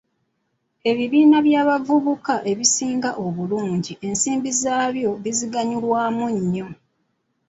Ebibiina by'abavuka ebisiga obulungi ensimbi zaabyo biziganyulwamu nnyo.